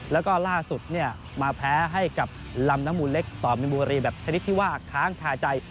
แล้วก็ล่าสุดมาแพ้ให้กับลำน้ำมูลเล็กต่อมินบุรีแบบชนิดที่ว่าค้างคาใจ